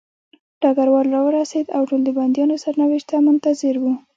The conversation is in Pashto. ډګروال راورسېد او ټول د بندیانو سرنوشت ته منتظر وو